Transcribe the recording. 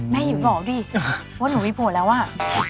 แม่อยู่บอกดีว่าหนุนวิบูรณ์แล้วว่า